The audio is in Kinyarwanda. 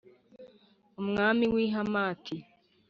Umwami w’i Hamati,